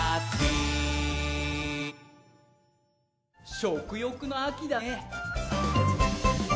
食欲の秋だね。